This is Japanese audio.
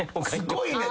すごいね